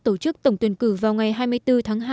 tổ chức tổng tuyển cử vào ngày hai mươi bốn tháng hai